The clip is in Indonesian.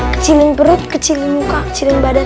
kecilin perut kecilin muka kecilin badan